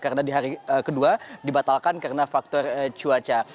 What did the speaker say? karena di hari kedua dibatalkan karena faktor cuaca